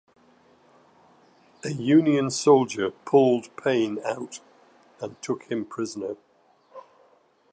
A Union soldier pulled Payne out and took him prisoner.